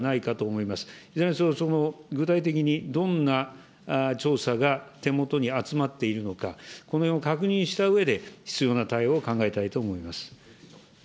いずれにせよ、具体的にどんな調査が手元に集まっているのか、これを確認したうえで、必要な対応を考えたいと思います。